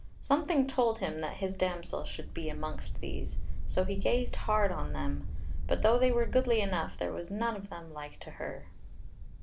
Something told him that his damsel should be amongst these, so he gazed hard on them, but though they were goodly enough there was none of them like to her.